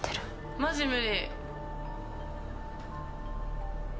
マジ無理。